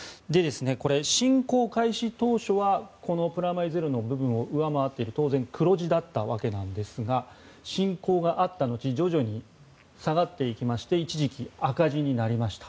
これ、侵攻開始当初はプラマイゼロの部分を上回っている当然、黒字だったわけなんですが侵攻があった後徐々に下がっていきまして一時期、赤字になりました。